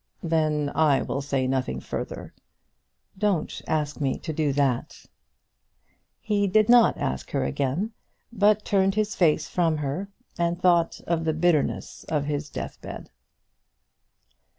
"Then I will say nothing further." "Don't ask me to do that." And he did not ask her again, but turned his face from her and thought of the bitterness of his death bed.